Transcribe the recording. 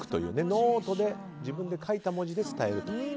ノートで自分で書いた文字で伝えるという。